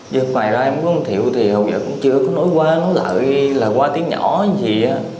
giờ ngoài ra em của ông thiệu thì hầu giờ cũng chưa có nói qua nói lại lời qua tiếng nhỏ gì á